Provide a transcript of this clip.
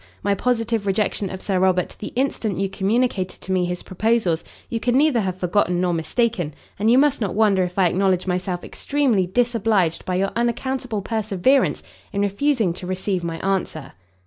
my positive rejection of Sir Robert the instant you communicated to me his proposals, you can neither have forgotten nor mistaken: and you must not wonder if I acknowledge myself extremely disobliged by your unaccountable perseverance in refusing to receive my answer."